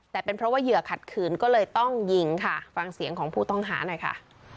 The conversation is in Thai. แต่เป็นเพราะว่าเหยื่อขัดขืนก็เลยต้องยิงค่ะฟังเสียงของผู้ต้องหาหน่อยค่ะ